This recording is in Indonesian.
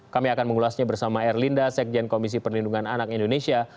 kami akan mengulasnya bersama erlinda sekjen komisi perlindungan anak indonesia